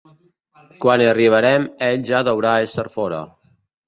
Quan hi arribarem ell ja deurà ésser fora.